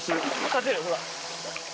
立てるほら。